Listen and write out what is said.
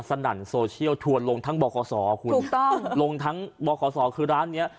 สนั่นโซเชียลถวดลงทั้งบอกขอสอคุณถูกต้องลงทั้งบอกขอสอคือร้านเนี้ย